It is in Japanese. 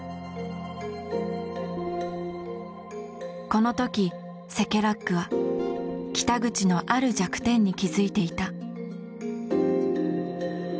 この時セケラックは北口のある弱点に気付いていた。